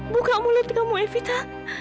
buka mulut kamu evita